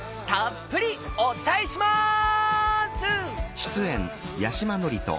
たっぷりお伝えします！